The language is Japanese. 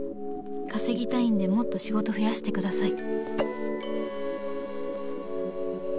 稼ぎたいんでもっと仕事増やしてください」。